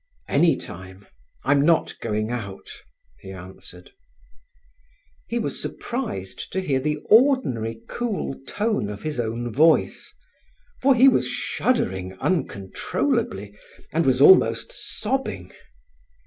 "Any time. I'm not going out," he answered. He was surprised to hear the ordinary cool tone of his own voice, for he was shuddering uncontrollably, and was almost sobbing.